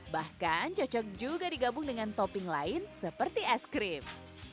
bahkan cocok juga digabung dengan topping lain seperti es krim